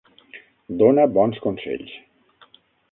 Dona bons consells.